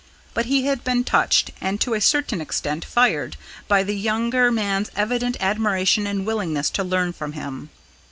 But he had been touched and to a certain extent fired by the younger man's evident admiration and willingness to learn from him.